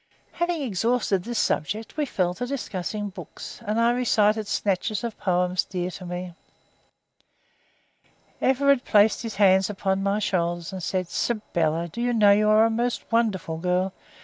Having exhausted this subject, we fell to discussing books, and I recited snatches of poems dear to me. Everard placed his hands upon my shoulders and said: "Sybylla, do you know you are a most wonderful girl?